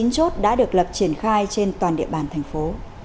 ba mươi chín chốt đã được lập triển khai trên toàn địa bàn thành phố